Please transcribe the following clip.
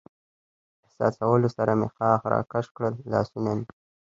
احساسولو سره مې ښاخ را کش کړل، لاسونه مې.